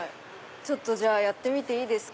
じゃあやってみていいですか。